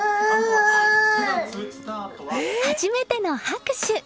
初めての拍手。